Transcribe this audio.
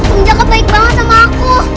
om jakab baik banget sama aku